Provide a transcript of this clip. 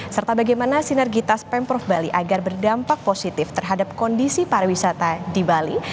serta bagaimana sinergitas pemprov bali agar berdampak positif terhadap kondisi pariwisata di bali